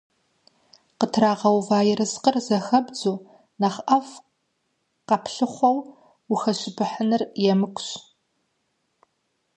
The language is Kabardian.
Къытрагъэува ерыскъыр зэхэбдзу, нэхъ ӏэфӏ къэплъыхъуэу ухэщыпыхьыныр емыкӏущ.